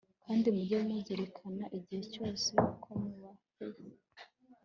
kandi mujye muzirikana igihe cyose ko mubaye